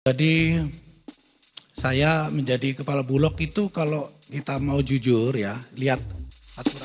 jadi saya menjadi kepala bulog itu kalau kita mau jujur ya lihat aturan